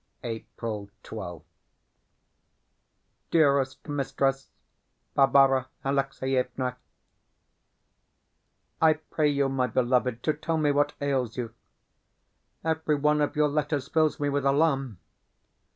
April 12th DEAREST MISTRESS BARBARA ALEXIEVNA, I pray you, my beloved, to tell me what ails you. Every one of your letters fills me with alarm.